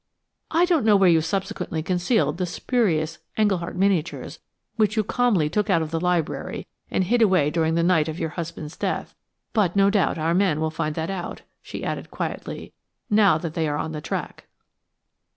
I don't know where you subsequently concealed the spurious Engleheart miniatures which you calmly took out of the library and hid away during the night of your husband's death, but no doubt our men will find that out," she added quietly, "now that they are on the track."